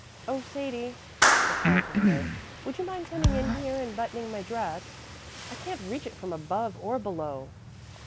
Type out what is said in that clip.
"Oh, Sadie," she called to the maid, "would you mind coming in here and buttoning my dress? I can't reach it from above or below."